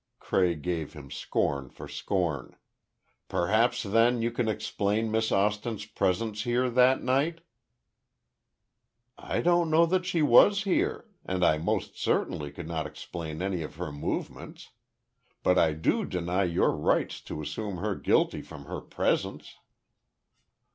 Cray gave him scorn for scorn. "Perhaps then, you can explain Miss Austin's presence here that night." "I don't know that she was here—and I most certainly could not explain any of her movements. But I do deny your right to assume her guilty from her presence."